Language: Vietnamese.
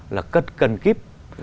là cất cần kiếp